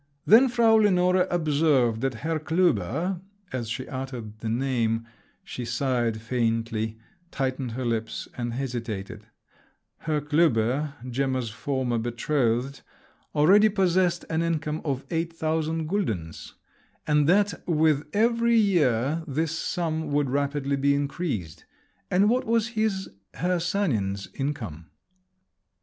Then Frau Lenore observed that Herr Klüber—as she uttered the name, she sighed faintly, tightened her lips, and hesitated—Herr Klüber, Gemma's former betrothed, already possessed an income of eight thousand guldens, and that with every year this sum would rapidly be increased; and what was his, Herr Sanin's income?